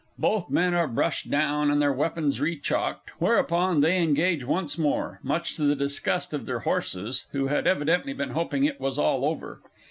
Both men are brushed down, and their weapons re chalked, whereupon they engage once more much to the disgust of their horses, who had evidently been hoping it was all over.